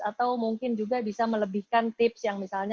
atau mungkin juga bisa melebihkan tips yang misalnya